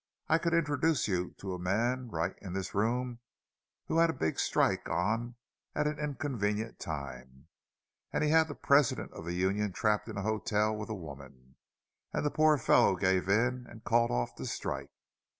I could introduce you to a man right in this room who had a big strike on at an inconvenient time, and he had the president of the union trapped in a hotel with a woman, and the poor fellow gave in and called off the strike."